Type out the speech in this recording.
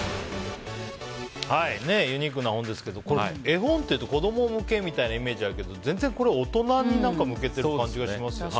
ユニークな本ですけど絵本っていうと子供向けというイメージがあるけどこれは全然、大人に向けてる感じがしますよね。